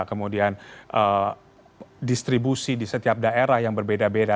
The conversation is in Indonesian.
kemudian distribusi di setiap daerah yang berbeda beda